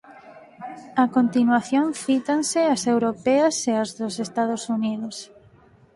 A continuación cítanse as europeas e as dos Estados Unidos.